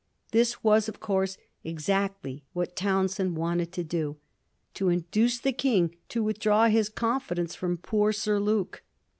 This was, of course, exactly what Townshend wanted to do — ^to induce the King to withdraw his confidence from poor Sir Luke.